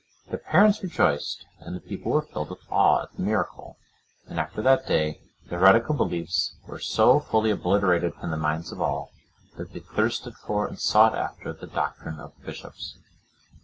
The parents rejoiced, and the people were filled with awe at the miracle; and after that day, the heretical beliefs were so fully obliterated from the minds of all, that they thirsted for and sought after the doctrine of the bishops.